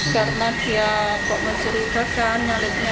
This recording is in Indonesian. karena dia kok mencurigakan nyaletnya dari kiri